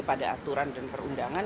pada aturan dan perundangan